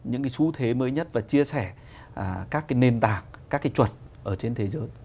những xu thế mới nhất và chia sẻ các nền tảng các chuẩn ở trên thế giới